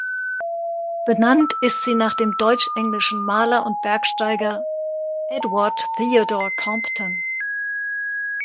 Benannt ist sie nach dem deutsch-englischen Maler und Bergsteiger Edward Theodore Compton.